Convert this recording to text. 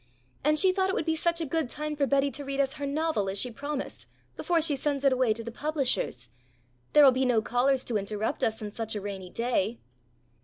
And she thought it would be such a good time for Betty to read us her novel, as she promised, before she sends it away to the publishers. There'll be no callers to interrupt us on such a rainy day."